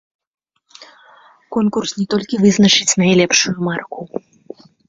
Конкурс не толькі вызначыць найлепшую марку.